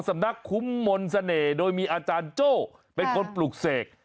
สำนักคุ้มมนต์เสน่ห์โดยมีอาจารย์โจ้เป็นคนปลูกเสก